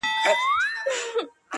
o په ډېري کې خوره، په لږي کې وېشه!